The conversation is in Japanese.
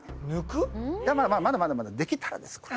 いやまあまだまだまだできたらです。